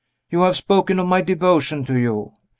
You have spoken of my devotion to you.